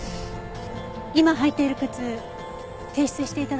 今履いている靴提出して頂けますか？